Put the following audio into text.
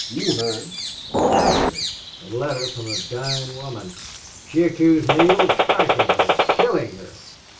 You heard. I heard.... A letter from a dying woman. She accused Neale of striking her of killing her....